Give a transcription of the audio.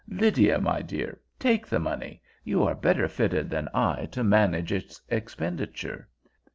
Lydia, my dear, take the money. You are better fitted than I to manage its expenditure."